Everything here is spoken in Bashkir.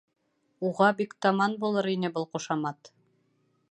Уға бик таман булыр ине был ҡушамат.